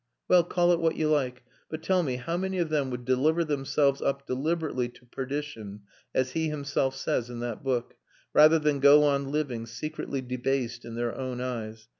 Well, call it what you like; but tell me, how many of them would deliver themselves up deliberately to perdition (as he himself says in that book) rather than go on living, secretly debased in their own eyes?